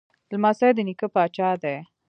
لمسی د نیکه پاچا دی.